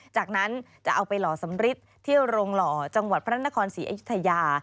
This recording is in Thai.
จากนั้นจะเอาไปหล่อสำริทเที่ยวโรงหล่อจังหวัดพระนครศรีอยุธยา